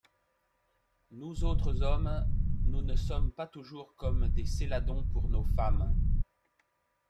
Nous autres hommes nous ne sommes pas toujours comme des Céladons pour nos femmes.